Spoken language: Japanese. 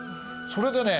それでね